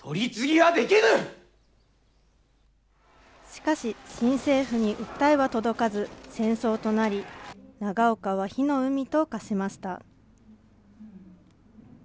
しかし、新政府に訴えは届かず、戦争となり、長岡は火の海と化しました。